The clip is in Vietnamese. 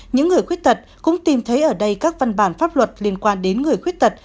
những người khuyết tật cũng tìm thấy ở đây các văn bản pháp luật liên quan đến người khuyết tật